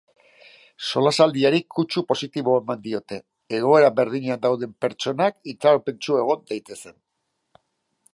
Solasaldiari kutsu positiboa eman diote, egoera berdinean dauden pertsonak itxaropentsu egon daitezen.